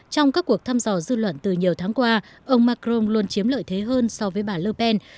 trong các cuộc thăm dò dư luận từ nhiều tháng qua ông macron luôn chiếm lợi thế hơn so với bà ler pen